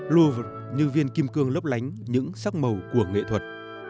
lo như viên kim cương lấp lánh những sắc màu của nghệ thuật